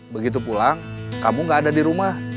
begitu pulang kamu gak ada di rumah